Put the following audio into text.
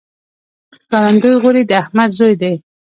ښکارندوی غوري د احمد زوی دﺉ.